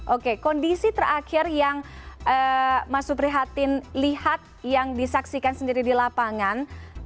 oke kondisi terakhir yang mas suprihatin lihat yang disaksikan sendiri di lapangan